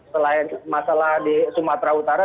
selain masalah di sumatera utara